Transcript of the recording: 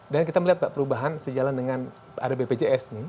dan kita melihat perubahan sejalan dengan ada bpjs nih